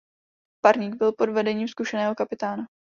Parník byl pod vedením zkušeného kapitána.